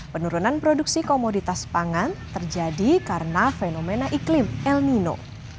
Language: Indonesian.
penurunan produksi komoditas pangan terjadi karena fenomena iklim el nino